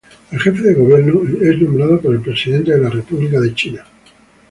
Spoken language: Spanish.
El jefe de Gobierno es nombrado por el presidente de la República de China.